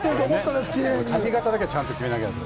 髪形だけはちゃんと決めなきゃって。